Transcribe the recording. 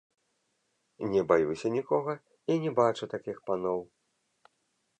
Не баюся нікога і не бачу такіх паноў.